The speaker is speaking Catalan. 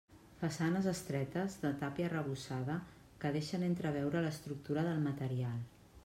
Façanes estretes de tàpia arrebossada que deixen entreveure l'estructura del material.